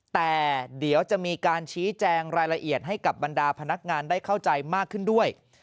แต่เดี๋ยวจะมีการชี้แจงรายละเอียดให้กับบรรดาพนักงานได้เข้าใจมากขึ้นด้วย